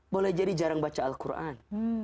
boleh jadi jarang baca al quran